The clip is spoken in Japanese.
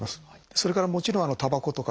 それからもちろんたばことか